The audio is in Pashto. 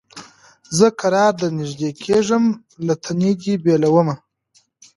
زه کرار درنیژدې کېږم له تنې دي بېلومه